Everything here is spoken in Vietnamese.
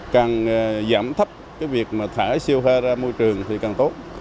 càng giảm thấp cái việc mà thải siêu hoa ra môi trường thì càng tốt